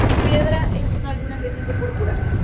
Su piedra es una luna creciente púrpura.